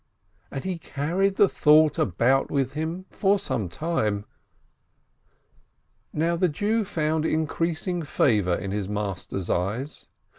And he carried the thought about with him for some time. The Jew found increasing favor in his master's eyes.